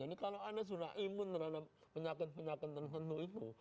jadi kalau anda sudah imun terhadap penyakit penyakit tertentu itu